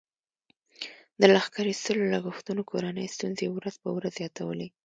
د لښکر ایستلو لګښتونو کورنۍ ستونزې ورځ په ورځ زیاتولې.